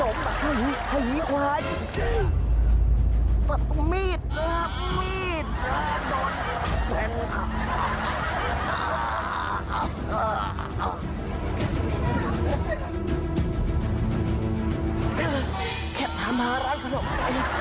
โอ้โฮไม่ได้อะไรไม่ได้ว่าอะไร